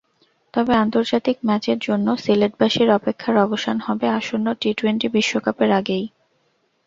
তবে আন্তর্জাতিক ম্যাচের জন্য সিলেটবাসীর অপেক্ষার অবসান হবে আসন্ন টি-টোয়েন্টি বিশ্বকাপের আগেই।